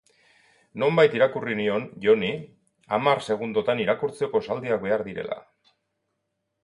Nonbait irakurri nion Joni hamar segundotan irakurtzeko esaldiak behar direla.